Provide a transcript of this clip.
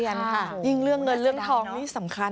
ยิ่งเรื่องเงินเรื่องทองนี่สำคัญ